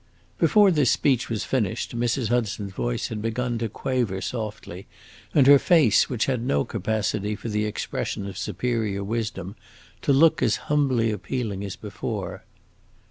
Before this speech was finished Mrs. Hudson's voice had begun to quaver softly, and her face, which had no capacity for the expression of superior wisdom, to look as humbly appealing as before.